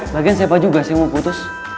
bagian siapa juga sih mau putus